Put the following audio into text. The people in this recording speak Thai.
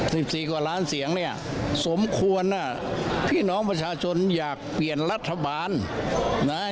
สิบสี่กว่าล้านเสียงเนี่ยสมควรน่ะพี่น้องประชาชนอยากเปลี่ยนรัฐบาลนะ